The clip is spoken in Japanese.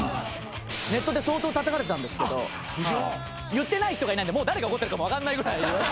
ネットで相当たたかれてたんですけど言ってない人がいないんでもう誰が怒ってるかも分かんないぐらい。